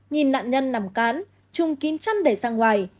nhìn nạn nhân nằm cán trung kín chăn đẩy sang ngoài